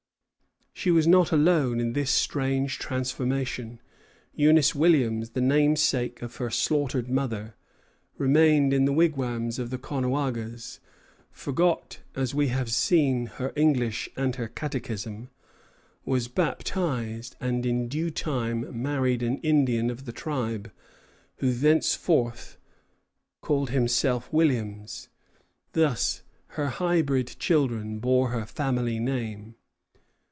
She was not alone in this strange transformation. Eunice Williams, the namesake of her slaughtered mother, remained in the wigwams of the Caughnawagas, forgot, as we have seen, her English and her catechism, was baptized, and in due time married to an Indian of the tribe, who thenceforward called himself Williams. Thus her hybrid children bore her family name.